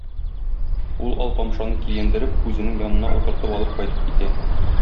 Ул Алпамшаны киендереп, үзенең янына утыртып алып кайтып китә.